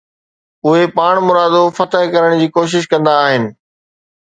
اهي پاڻمرادو فتح ڪرڻ جي ڪوشش ڪندا آهن